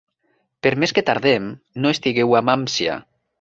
Per més que tardem, no estigueu amb ànsia.